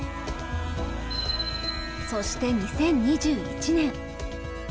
そして２０２１年。